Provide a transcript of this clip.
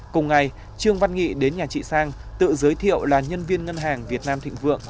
cùng ngày trương văn nghị đến nhà chị sang tự giới thiệu là nhân viên ngân hàng việt nam thịnh vượng